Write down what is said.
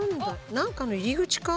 なんかの入り口か？